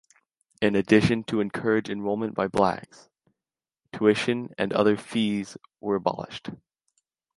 In addition, to encourage enrollment by blacks, tuition and other fees were abolished.